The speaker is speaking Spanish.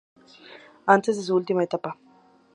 Antes de su última etapa.